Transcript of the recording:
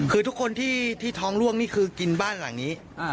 คือทุกคนที่ท้องล่วงนี่คือกินบ้านหลังนี้